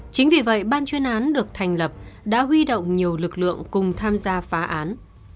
chính vì vậy ban chuyên án được thành lập đã huy động nhiều lực lượng cùng tham gia phá án